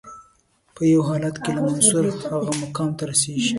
په یو حالت کې لکه منصور هغه مقام ته رسیږي.